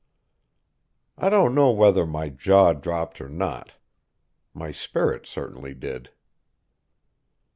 I don't know whether my jaw dropped or not. My spirits certainly did.